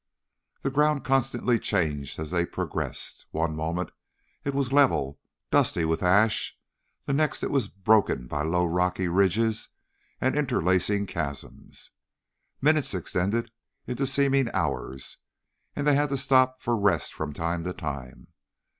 The ground constantly changed as they progressed. One moment it was level, dusty with ash; the next it was broken by low rocky ridges and interlacing chasms. Minutes extended into seeming hours and they had to stop for rest from time to time.